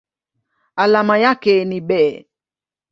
Alama yake ni Be.